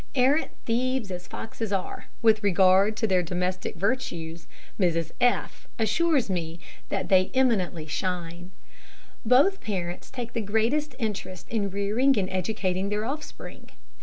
Arrant thieves as foxes are, with regard to their domestic virtues Mrs F assures me that they eminently shine. Both parents take the greatest interest in rearing and educating their offspring.